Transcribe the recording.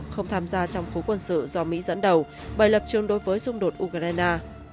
không tham gia trong khối quân sự do mỹ dẫn đầu bày lập trương đối với xung đột ukraine